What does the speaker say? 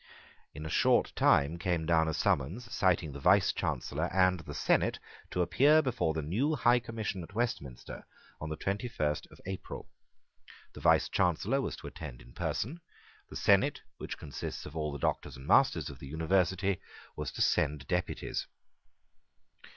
In a short time came down a summons citing the Vicechancellor and the Senate to appear before the new High Commission at Westminster on the twenty first of April. The Vicechancellor was to attend in person; the Senate, which consists of all the Doctors and Masters of the University, was to send deputies.